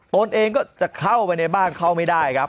ตนเองก็จะเข้าไปในบ้านเข้าไม่ได้ครับ